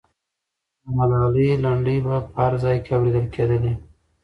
د ملالۍ لنډۍ به په هر ځای کې اورېدلې کېدلې.